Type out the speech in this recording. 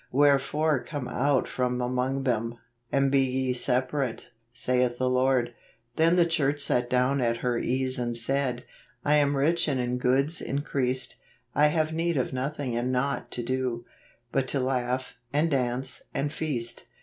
" Wherefore come out from among them, and be ye separate, saith the Lord." Then the Church sat down at her ease and said: 1 1 am rich and in goods increased. I have need of nothing and naught to do , But to laugh, and dance, and feast.'